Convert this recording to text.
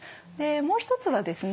もう一つはですね